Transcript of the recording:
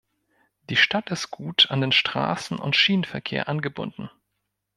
Die Stadt ist gut an den Straßen- und Schienenverkehr angebunden.